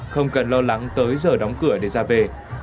không cần lo lắng tới giờ đóng cửa để ra về